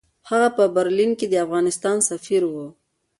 هغه په برلین کې د افغانستان سفیر وو.